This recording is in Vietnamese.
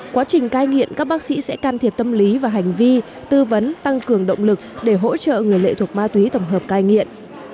quá trình cai nghiện các bác sĩ sẽ can thiệp tâm lý và hành vi tư vấn tăng cường động lực để hỗ trợ người lệ thuộc ma túy tổng hợp cai nghiện